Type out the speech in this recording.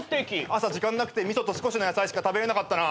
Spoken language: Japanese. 朝時間なくて味噌と少しの野菜しか食べれなかったな。